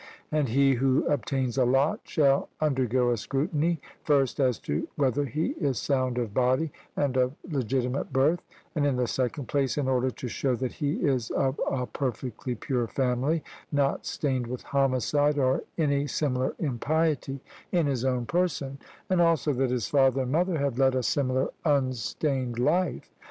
And he who obtains a lot shall undergo a scrutiny, first, as to whether he is sound of body and of legitimate birth; and in the second place, in order to show that he is of a perfectly pure family, not stained with homicide or any similar impiety in his own person, and also that his father and mother have led a similar unstained life.